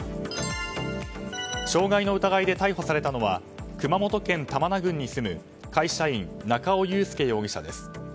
傷害の疑いで逮捕されたのは熊本県玉名郡に住む会社員、中尾祐介容疑者です。